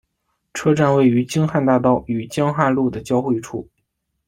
车站位于京汉大道与江汉路的交汇处。